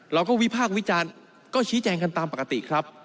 เราก็วิภาควิจารณ์ก็ชี้แจงกันตามปกติครับ